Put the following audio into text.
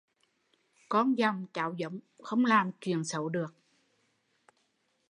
Con dòng cháu giống không làm chuyện xấu được